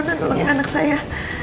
untuk menolong anak saya